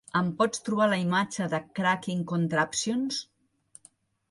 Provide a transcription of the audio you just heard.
Em pots trobar la imatge de Cracking Contraptions?